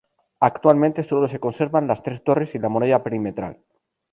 Actualmente sólo se conservan las tres torres y la muralla perimetral.